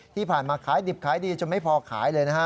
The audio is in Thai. ที่ผ่านมาขายดิบขายดีจนไม่พอขายเลยนะฮะ